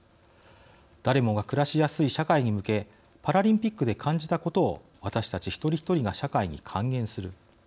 誰もが暮らしやすい社会に向けパラリンピックで感じたことを私たち一人一人が社会に還元する。